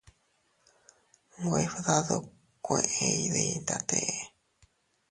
Nwe fdadukue iyditate.